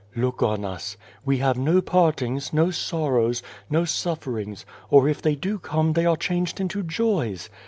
'"Look on us. We have no partings, no sorrows, no suffer ings, or if they do come they are changed into joys.